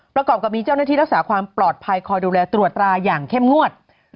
ประกอบกับมีเจ้าหน้าที่รักษาความปลอดภัยคอยดูแลตรวจตราอย่างเข้มงวด